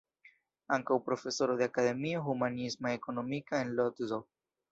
Ankaŭ profesoro de Akademio Humanisma-Ekonomika en Lodzo.